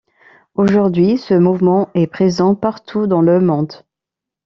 Aujourd'hui ce mouvement est présent partout dans le monde.